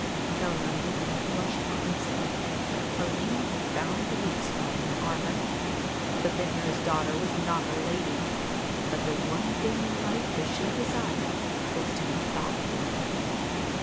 Eleanor Mowbray flushed crimson; Aline had found the weak spot in her armour. The vintner's daughter was not a lady, but the one thing in life that she desired was to be thought one.